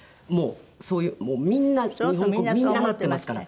そういうみんな日本国みんななってますから。